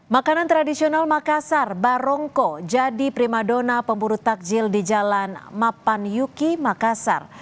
makanan tradisional makassar barongko jadi prima dona pemburu takjil di jalan mapan yuki makassar